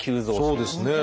そうですね。